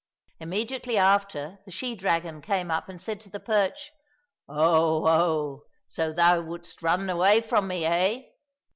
Immediately after the she dragon came up and said to the perch, " Oh, oh ! so thou wouldst run away from me, eh